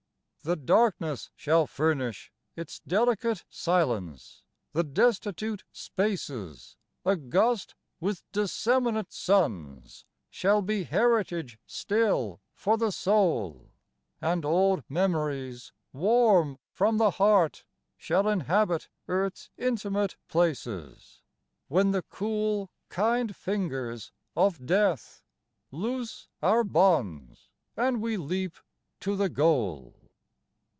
The darkness shall furnish its delicate silence, the destitute spaces 39 THE GATES OF LIFE August with disseminate suns shall be heritage still for the soul, And old memories warm from the heart shall inhabit earth's intimate places, When the cool, kind fingers of death loose our bonds and we leap to the goal.